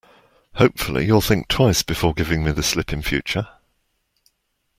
Hopefully, you'll think twice before giving me the slip in future.